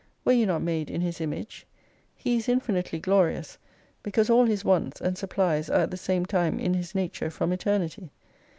Were you not made in His Image ? He is infinitely Glorious, because all His wants and supplies are at the same time in his nature from Eternity.